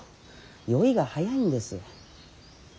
酔いが早いんです。